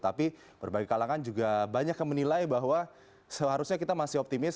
tapi berbagai kalangan juga banyak yang menilai bahwa seharusnya kita masih optimis